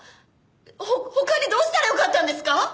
ほ他にどうしたらよかったんですか！？